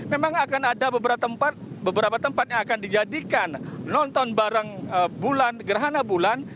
memang akan ada beberapa tempat yang akan dijadikan nonton bareng bulan gerhana bulan